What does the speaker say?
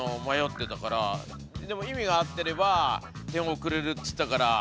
でも意味が合ってれば点をくれるっつったから。